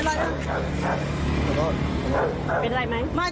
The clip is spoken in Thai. มาคนเดียว